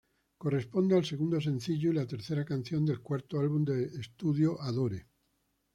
Corresponde al segundo sencillo y la tercera canción del cuarto álbum de estudio, "Adore".